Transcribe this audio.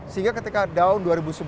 sehingga ketika down dua ribu sebelas